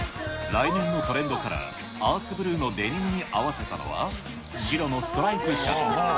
来年のトレンドカラー、アースブルーのデニムに合わせたのは、白のストライプシャツ。